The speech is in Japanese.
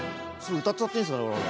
うたっちゃっていいんですかね我々。